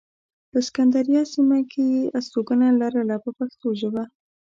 په سکندریه سیمه کې یې استوګنه لرله په پښتو ژبه.